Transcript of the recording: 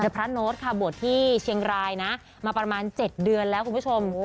พระโน้ตค่ะบวชที่เชียงรายนะมาประมาณ๗เดือนแล้วคุณผู้ชม